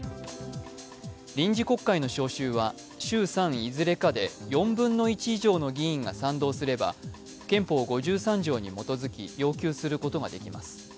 臨時国会の召集は衆参いずれかで４分の１以上の議員が賛同すれば、憲法５３条に基づき要求することができます。